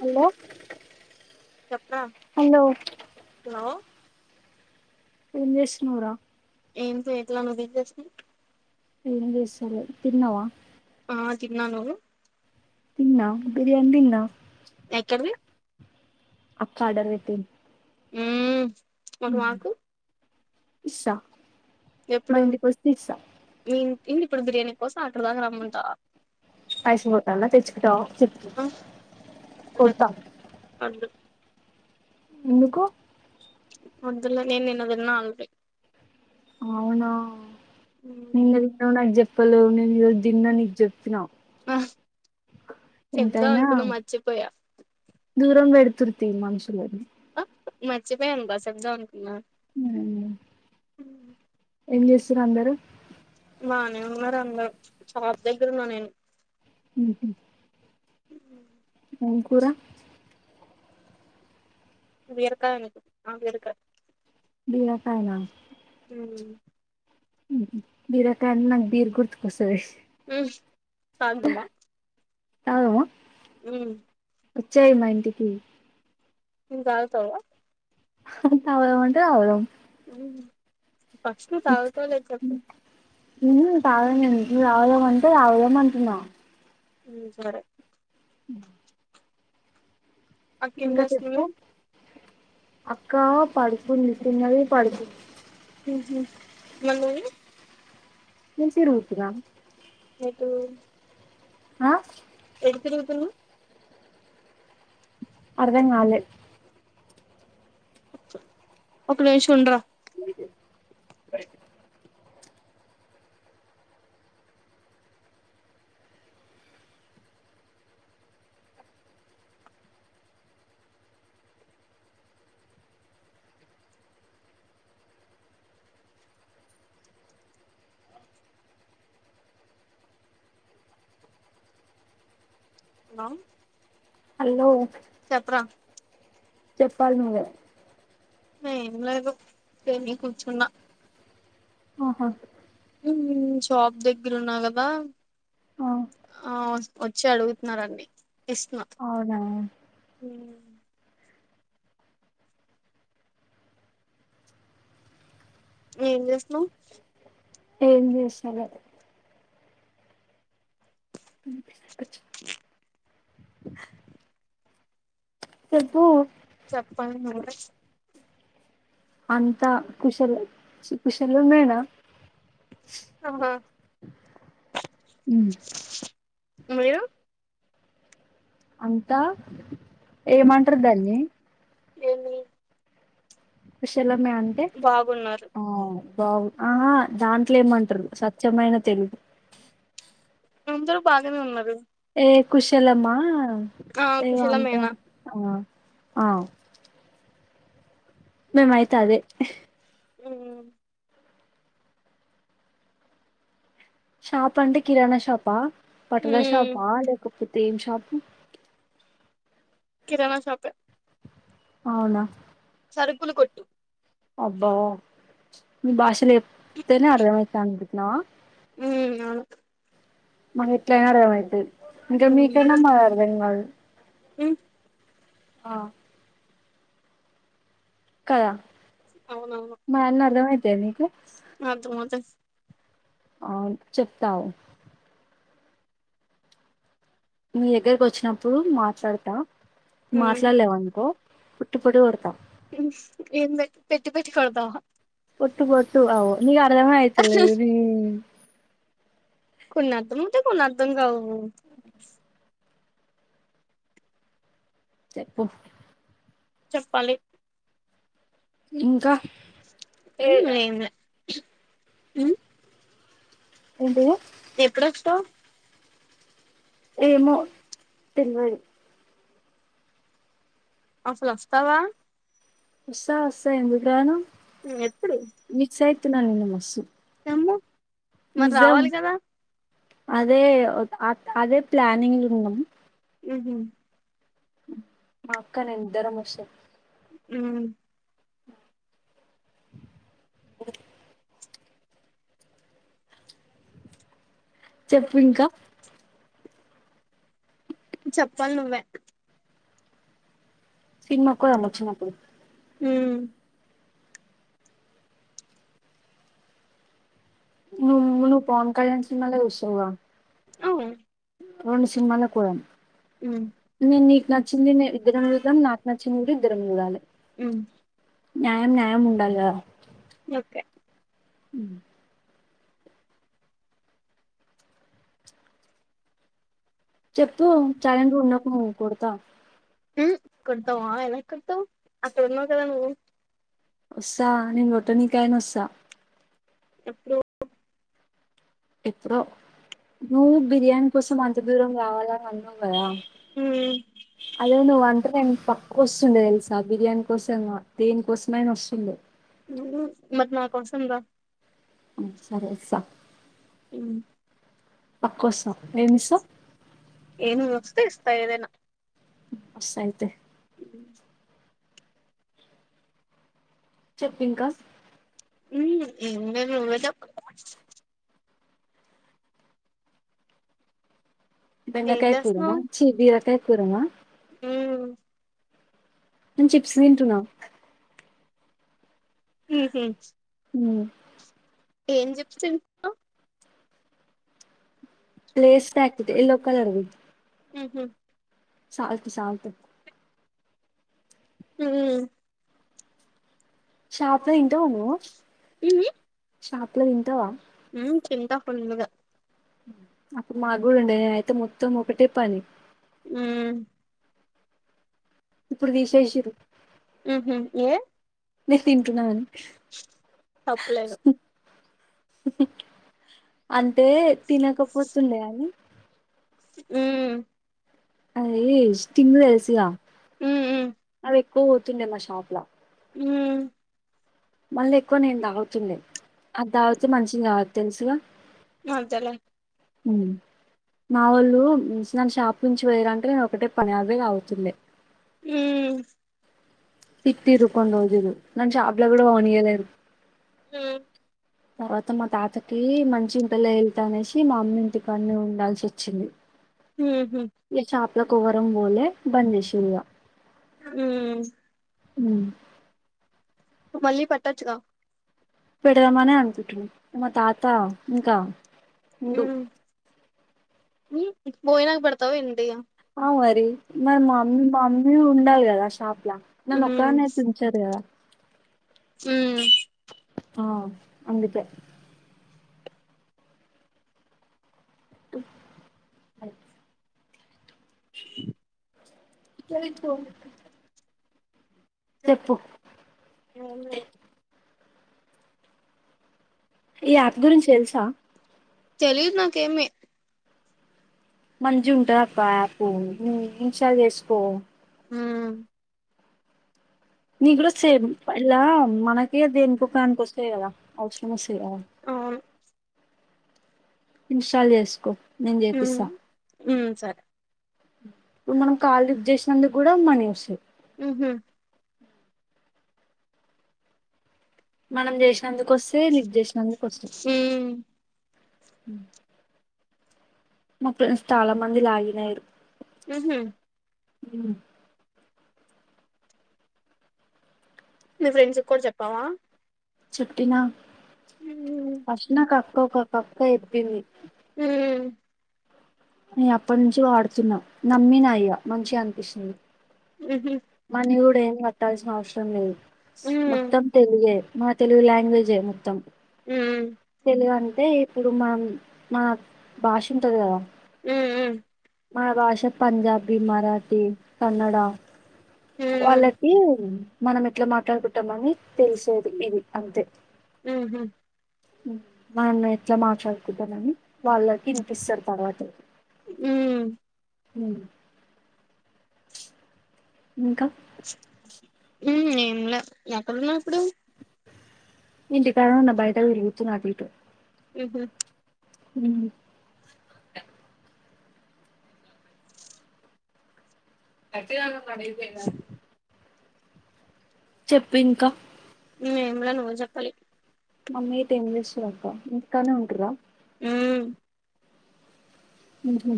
Hello ఆ hello hello ఏం చేసున్నవురా ఏం చేయట్ల నువ్వేం చేసున్నవ్ ఏం చేసలే తిన్నవా ఆ తిన్నా నువ్వు తిన్నా బిర్యాన్ తిన్నా ఎక్కడ్వి అక్క ఆర్డర్ వెట్టి ఊ మక్ మాకు ఇస్సా మా ఇంటికొస్తే ఇస్తా ఏంటి ఇప్పుడు బిర్యానీ కోసం అక్కడిదాకా రమ్మంటావా పైస్ పోతన తెచ్చుకుంట ఆ వద్దులే [unintelligible] ఎందుకు వద్దులే నెన్ నిన్న తిన్న ఆల్రెడీ అవునా నిన్న తిన్నావ్ నాకు జెప్ లే నేను ఏది దిన్న నీకు జెప్పిన ఆ ఎంతైనా దూరంగా పెడుత్ [unintelligible] మనుషులని మర్చిపోయిన బా సెప్దం అన్ ఉమ్ ఎం చెస్ అందరు బానెఉన్నారు అందరు షాప్ దగ్గర ఉన్నా నేను ఉమ్ హు ఉమ్ ఎం కూర బీరకాయ అనుకు ఆ బీరకాయ బీరకైనా ఉమ్ ఉంహు బీరకాయ అంటే నాకు బీర్ గుర్తుకొస్తది ష్ సాయంత్రమా తాగుదమా ఉమ్ వచ్చేయి మా ఇంటికి ఎం తాగుతావా హ తాగుదాం అంటే తాగుదాం ఉమ్ ఫస్ట్ నువ్వు తాగుతావో లేదో చెప్పు [unintelligible] నువు తాగుదాం అంటే తాగుదాం అంటున్నా ఉమ్ సరే ఉమ్ అక్క ఏం ఇంకా చెప్పు చేస్తుంది అక్క పడుకుంది తిన్నది పడుకుం ఉంహు మరి నేను నేను సీర కుట్టిన ఎటు ఆ ఎ రుగుతున్నా అర్థం గాలే ఒక నిమిషుండరా ఆ హలో చెప్పు రా చెప్పాలి నువ్వే ఏం లేదు తిని కూర్చున్నా ఆహా షాప్ దగ్గర ఉన్నా కదా ఆ ఆ వచ్చి అడుగుతున్నారడి ఇస్తున్నా అవునా హ ఏం చేస్తున్నావ్ ఏం చేస్తలే చెప్పు [inaudible] అంతా కుశల కుశల మేనా ఆహా అ మీరు అంతా ఏమంటారు దాన్ని ఏమి ష్ ఎలా అంతే బాగున్నారు బావు ఆ దాంట్లో ఏమంటారు సత్యమైన తెలుగు అందరూ బాగానే ఉన్నారు ఏ కుశలమ్మా ఆ ఏ వంటాం కుశలమేనా ఆ ఆ మేమ్ ఆయితే అదే ఉ షాప్ అంటే ఉమ్ కిరాణా షాపా బట్టల హ్మ్ షాపా లేకపో ఏం షాపు కిరాణా షాపే అవునా సరుకులు కొట్టు అబ్బా మీ బాషలే తె ‌అర్థమైతాంది న ఉ అవును మ ఇట్లా అరే ఇకా మీకన్న మాది అర్థం కాదు ఉమ్ ఆ కదా అవునవును మాయన్ని అర్థమైతయా నీకు అర్థమవుతాయి అ చెప్తావు మీ దగ్గరకి వచ్చినప్పుడు మాట్లాడతా హ్మ్ మాట్లాడలేవనుకో [inaudible] ఏన్ బ పెట్టి పెట్టి కొడతావ కొట్టు కొట్టు అవు ద మాయితేల కొన్నర్థమవుతాయ్ కొన్ని అర్థంకావు అ చెప్పు చెప్పాలి ఇంకా ఉ ఏ ఎం లే హు ఏంటిది ఎప్పుడొస్తావు ఏమో తెల్వది అసలోస్తావా వస్సా వస్సా ఎందుకు రాను ఉమ్ ఎప్పుడు మిస్ ఐతున్న నిన్ను మస్సు ఏమో మరి నిజం రావాలి కదా అదే ఒ అదే ప్లనింగ్ లున్నాం మ్ హు మా అక్క నిను ఇద్దరం ఒస్తం మ్ ఓ చెప్పు ఇంకా చెప్పాలి నువ్వే సినిమాకు పోదాం ఒచ్చినప్పుడు మ్ నువ్వు నువ్ పవన్ కళ్యాణ్ సినిమాలే చూస్తావుగా ఆవు రెండు సినిమాలకు పోదాం హ్మ్ నేను నీకు నచ్చింది ఏ ఇద్దరం చుదాం నాకు నచ్చింది కూడా ఇద్దరం చూడాలే ఉమ్ న్యాయం న్యాయం ఉండాలి గా ఓకే మ్ చెప్పు సైలెంటుగుండకు కొడుతా హు కొడుతావా ఎలా కొడుతవ్ అక్కడున్నవ్ కదా నువ్వు ఒస్స నిన్ను కొట్టానికైనా ఒస్స ఎప్పుడో ఎప్పుడో నువ్వు బిర్యానీ కోసం అంత దూరం రావళి అని అన్నావు కదా ఉమ్ అయ్యో నువ్ అంటే నిను పక్ ఒస్తుండే తెలుసా బిర్యానీ కోసం దేని కోసమైనా ఒస్తుండే మరి నా కోసం రా ఆ సరే ఒస్త మ్ నా కోసం ఎమిస్సవ్ తిస్తా ఏదైనా వస్తా అయితే అ చెప్పు ఇంకా ఉమ్మ్ ఏమి లేదు నువ్వే చెప్ ఏం బెండకాయ కూర నా చేస్తున్నావ్ చి బీరకాయ కూర నా ఉమ్ నేను చిప్స్ తింటున్నా హ హ అ ఏమి చిప్స్ తింటున్నావ్ లేస్ ప్యాకెట్ ఎల్లో కలర్ ది హ హ సాల్ట్ సాల్ట్ హు షాపులో తింటావా నువ్వు షా ఎట్ల తింటావా హు తింటా ఫుల్ గా అప్పుడు మాకు ఉండే అయితే మొత్తం ఒక్కటే పని హు ఇప్పుడు తీసేసిరు హుహు ఏ నేను తింటున్నా అని తప్పులేదు హుహూ అంటే ఉమ్ తినక పోతుండే అని యూ అయి స్టింగుడు ఏసి గా ఉమ్ ఉమ్ అయి పోతుండే మా షాప్ లా హు మళ్ళీ ఎక్కువ నేను తాగుతుండే అది తాగితే మనిషి ఇంకా తెలుసుగా అంతే లే ఉ మా వాళ్ళు నన్ను షాప్ నుంచి పోయరంటే నేను ఒక్కటే పని అదే అవుతుండే ఊ తిట్టిర్రు కొన్ని రోజులు నన్ను షాపులోకి కూడా పోనీయలేదు ఆ తర్వాత మా తాతకి మంచి ఉంటాలే వెళ్తా అనేసి మా అమ్మ ఇంటి కాడ నే ఉండాల్సి వచ్చింది హుహు ఇళ్లకు ఎవరం పోలే బంద్ చేసిర్రు ఇగ యూ అ మళ్ళీ పట్టచు గా పెడదామనే అనుకుంటన్నా మా తాత అ ఇంకా ఉండు ఉమ్ భోజనాకి పెడతావ ఏంటి అ మరి మరి మామ్మీ మా మమ్మీ ఉండాలి కదా షాప్లా నన్ను ఒక్కదాన్ని అయితే ఉంచదు కదా హమ్ ఆ అందుకే [unintelligible] [unintelligible] కేతు చె ఈ యాప్ గురించి తెలుసా తెలీదు నాకేమి మంచి ఉంటాదప్ప యాపు నువ్వు ఇన్స్టాల్ చేసుకో హ నీ కూడా సే ఇలా మనకే దేనికోకానికోస్తాయి కదా అవసరం వస్తాయి కదా అవును ఇన్స్టాల్ చేసుకో నేను ఉమ్ చేపిస్తా ఉమ్ సరే ఇప్పుడు మనం కాల్ లిఫ్ట్ చేస్ నందుకు కూడా మనీ వాస్ ఉహు మనం చేసినందుకు వస్తే లిఫ్ట్ చేసినందుకు వస్తాయి ఊమ్ [unintelligible] మా ఫ్రెండ్స్ చాలామంది లాగినయారు ఆహ ఊ మీ ఫ్రెండ్స్ కూడా చెప్పావా చెప్పిన ఉమ్ ఫస్ట్ నాకు అక్క ఒక అక్క చెప్పింది. నేను అప్పటి నుంచి వాడుతున్నా నమ్మినా ఇగ మంచిగా అనిపిస్తుంది ఉహు మనీ కూడా ఎమ్ కట్టాల్సిన అవసరం లేదు తొమ్మిది ఉమ్ మొత్తం తెలుగే తెలుగు లాంగ్వేజే మొత్తం ఉమ్ తెలుగంతె ఇప్పుడు మనం మన భాష ఉంటుంది కదా ఉమ్ ఉ మా భాష పంజాబీ మరాఠీ కన్నడ వాళ్ళకీ మనం ఇట్లా మాట్లాడు మని తెలిసేది ఇది అంతే ఉహు మనం ఎట్లా మాట్లాడుకుంటాన్న మని వాళ్ళకి ఇనిపిస్తారు తర్వాత ఉమ్ ఉమ్ [inaudible] ఇంకా ఉమ్ ఏంలా ఎక్కడున్నావ్ ఇప్పుడు ఇంటి కాడనె ఉన్న బయట తిరుగుతున్న అటు ఇటు ఉ హు ఉహు గట్టిగా అరవరు పనీ అయిపోయిందా చెప్పు ఇంకా నేను గుడా నువ్వే జెప్పాలి మమ్మీ అయితే ఏం జేస్తది అక్క ఇంటి కాడనే వుంటరా ఊమ్ ఉ హు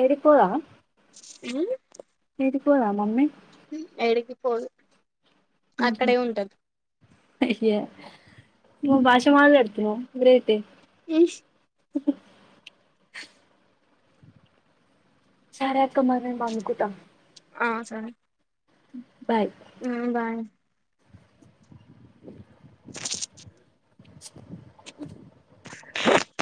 ఏడికి పోదా ఉ ఏడికి పోదా మమ్మీ ఎడకి పోదు అక్కడే ఉంటది అయ్యో నువ్వు భాష మాట్లాడుతున్నావ్ వెరైటీ ఉ హ్ ఉహు సరే అక్క మరి నేన్ బనుకుట ఆ సరే బాయ్ ఉ బాయ్ [inaudible]